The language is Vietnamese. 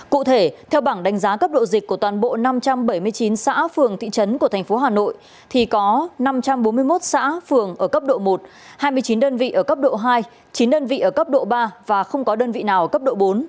cụ thể theo bảng đánh giá cấp độ dịch của toàn bộ năm trăm bảy mươi chín xã phường thị trấn của thành phố hà nội thì có năm trăm bốn mươi một xã phường ở cấp độ một hai mươi chín đơn vị ở cấp độ hai chín đơn vị ở cấp độ ba và không có đơn vị nào cấp độ bốn